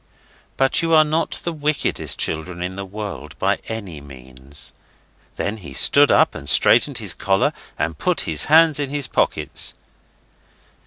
'But you are not the wickedest children in the world by any means.' Then he stood up and straightened his collar, and put his hands in his pockets.